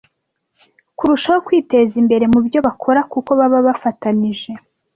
kurushaho kwiteza imbere mubyo bakora kuko baba bafatanyije